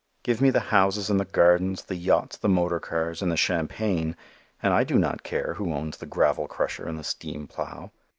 Give me the houses and the gardens, the yachts, the motor cars and the champagne and I do not care who owns the gravel crusher and the steam plow.